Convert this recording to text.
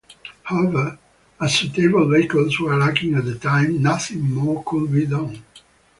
However, as suitable vehicles were lacking at the time, nothing more could be done.